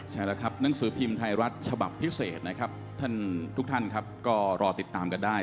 ใช่แล้วครับหนังสือพิมพ์ไทยรัฐฉบับพิเศษนะครับท่านทุกท่านครับก็รอติดตามกันได้